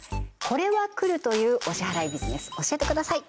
これはくるというお支払いビジネス教えてください